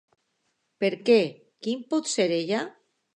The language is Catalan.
Per què? Qui pot ser ella?